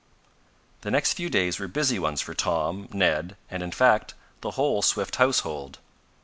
The next few days were busy ones for Tom, Ned and, in fact, the whole Swift household.